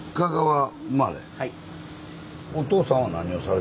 はい。